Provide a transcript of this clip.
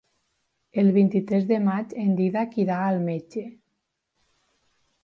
El vint-i-tres de maig en Dídac irà al metge.